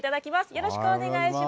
よろしくお願いします。